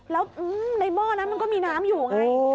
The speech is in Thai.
แล้วในหม้อนั้นมันก็มีน้ำอยู่ไง